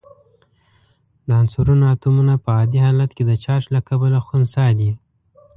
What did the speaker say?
د عنصرونو اتومونه په عادي حالت کې د چارج له کبله خنثی دي.